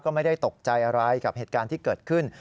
ก็ไม่ได้ตกใจอะไรกับเหตุการณ์ที่เกิดขึ้น